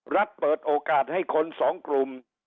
เปิดโอกาสให้คนสองกลุ่ม